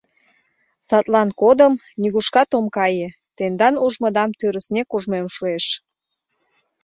Садлан кодым, нигушкат ом кае — тендан ужмыдам тӱрыснек ужмем шуэш.